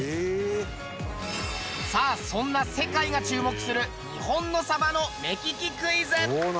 さあそんな世界が注目する日本のサバの目利きクイズ。